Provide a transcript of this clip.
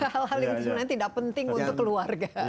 hal hal yang sebenarnya tidak penting untuk keluarga